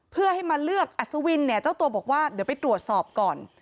เพื่อให้มาเลือกอัศวินเนี่ยเจ้าตัวบอกว่าเดี๋ยวไปตรวจสอบก่อน